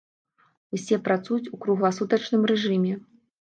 Усе працуюць у кругласутачным рэжыме.